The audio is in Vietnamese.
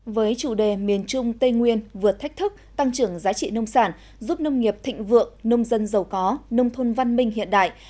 với chủ đề miền trung tây nguyên vượt thách thức tăng trưởng giá trị nông sản giúp nông nghiệp thịnh vượng nông dân giàu có nông thôn văn minh hiện đại